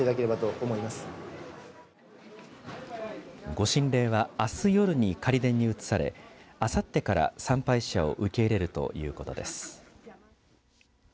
御神霊は、あす夜に仮殿に移されあさってから参拝者を受け入れるということです。